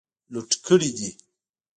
لوټ کړي دي.